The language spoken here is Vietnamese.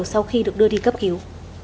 sau khi được đưa đi cấp cứu